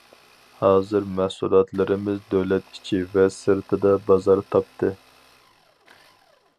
ھازىر مەھسۇلاتلىرىمىز دۆلەت ئىچى ۋە سىرتىدا بازار تاپتى.